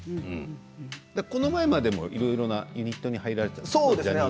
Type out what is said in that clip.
この前までも、いろいろなユニットに入られていたんですよね。